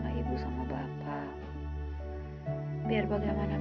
terima kasih ya bang